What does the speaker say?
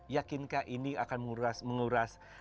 yakinkah ini akan menguras